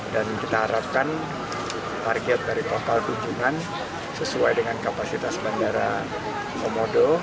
dan kita harapkan target dari total tujuan sesuai dengan kapasitas bandara komodo